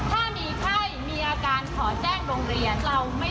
ถ้ามีไข้มีอาการขอแจ้งโรงเรียน